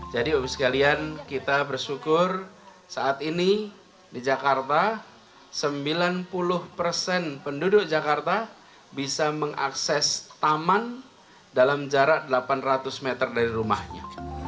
jadi obis kalian kita bersyukur saat ini di jakarta sembilan puluh persen penduduk jakarta bisa mengakses taman dalam jarak delapan ratus meter dari rumahnya